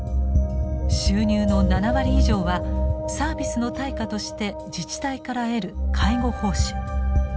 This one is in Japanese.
収入の７割以上はサービスの対価として自治体から得る介護報酬。